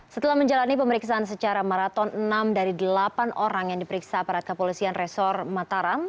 setelah menjalani pemeriksaan secara maraton enam dari delapan orang yang diperiksa aparat kepolisian resor mataram